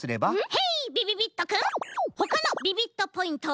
ヘイびびびっとくんほかのビビットポイントをみせて。